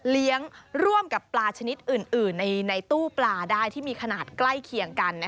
ร่วมกับปลาชนิดอื่นในตู้ปลาได้ที่มีขนาดใกล้เคียงกัน